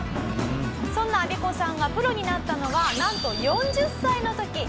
そんなアビコさんがプロになったのはなんと４０歳の時。